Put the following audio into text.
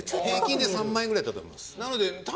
平均で３万円ぐらいだと思います。